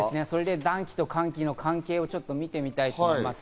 暖気と寒気の関係を見てみたいと思います。